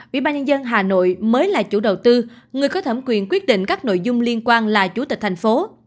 ủy ban nhân dân hà nội mới là chủ đầu tư người có thẩm quyền quyết định các nội dung liên quan là chủ tịch thành phố